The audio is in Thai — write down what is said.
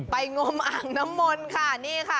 งมอ่างน้ำมนต์ค่ะนี่ค่ะ